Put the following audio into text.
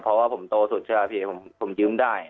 เพราะว่าผมโตสุดเชื่อพี่ผมยืมได้